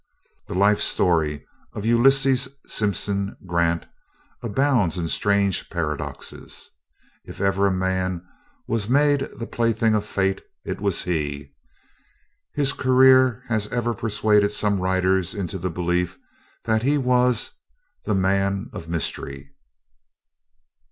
The life story of Ulysses Simpson Grant abounds in strange paradoxes. If ever a man was made the plaything of fate, it was he. His career has even persuaded some writers into the belief that he was "the Man of Mystery."